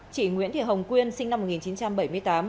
chị nguyễn thị hồng quyên sinh năm một nghìn chín trăm bảy mươi tám